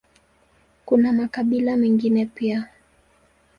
Kuna makabila mengine pia.